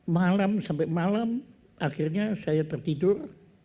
malam sampai malam akhirnya saya tertidur